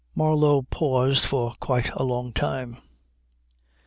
Marlow paused for quite a long time.